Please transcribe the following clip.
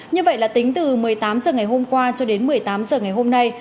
như vậy là tính từ một mươi tám h ngày hôm qua cho đến một mươi tám h ngày hôm nay